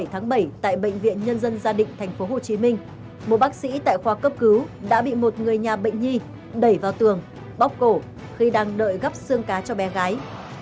hai mươi bảy tháng bảy tại bệnh viện nhân dân gia đình tp hcm một bác sĩ tại khoa cấp cứu đã bị một người nhà bệnh nhi đẩy vào tường bóc cổ khi đang đợi gắp xương cá cho bé gái